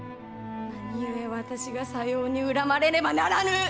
何故私がさように恨まれねばならぬ！